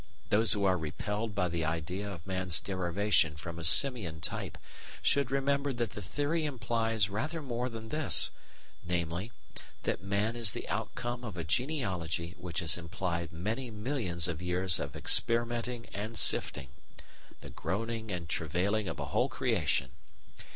Those who are repelled by the idea of man's derivation from a simian type should remember that the theory implies rather more than this, namely, that man is the outcome of a genealogy which has implied many millions of years of experimenting and sifting the groaning and travailing of a whole creation.